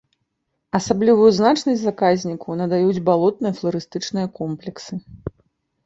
Асаблівую значнасць заказніку надаюць балотныя фларыстычныя комплексы.